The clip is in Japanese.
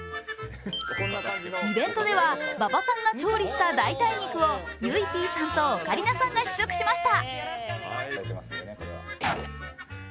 イベントでは馬場さんが調理した代替肉をゆいＰさんとオカリナさんが試食しました。